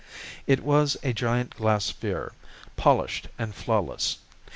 It was a giant glass sphere, polished and flawless.